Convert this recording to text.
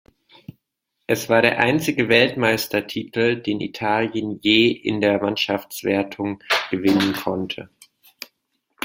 Es war der einzige Weltmeister-Titel, den Italien je in der Mannschaftswertung gewinnen konnte.